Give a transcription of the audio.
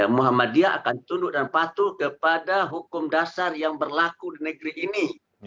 muhammadiyah akan tunduk dan patuh kepada hukum dasar yang berlaku di negeri ini